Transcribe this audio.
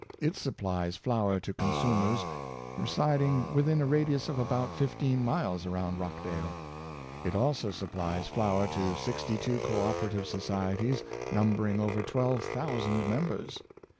It supplies flour to consumers re siding within a radius of about fifteen miles around Rochdale. It also supplies flour to sixty two co opera tive societies, numbering over twelve thousand mem bers.